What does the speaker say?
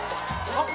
あっ！